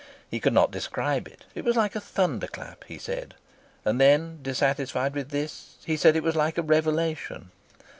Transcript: He could not describe it. It was like a thunder clap, he said, and then, dissatisfied with this, he said it was like a revelation.